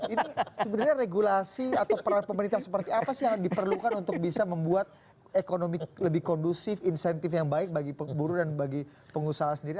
ini sebenarnya regulasi atau peran pemerintah seperti apa sih yang diperlukan untuk bisa membuat ekonomi lebih kondusif insentif yang baik bagi buruh dan bagi pengusaha sendiri